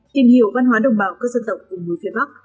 tìm hiểu văn hóa đồng bào các dân tộc của mùa phía bắc